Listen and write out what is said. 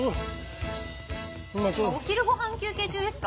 お昼ごはん休憩中ですか？